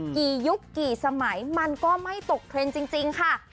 ยุคกี่สมัยมันก็ไม่ตกเทรนด์จริงค่ะ